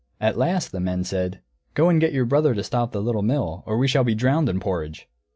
At last the men said, "Go and get your brother to stop the Little Mill, or we shall be drowned in porridge."